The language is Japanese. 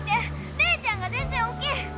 ☎姉ちゃんが全然起きん